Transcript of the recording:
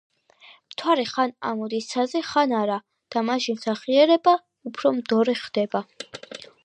მთვარე ხან ამოდის ცაზე, ხან არა და მაშინ სახიერება უფრო მდორე ხდება